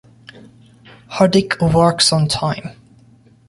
Hardik works on time.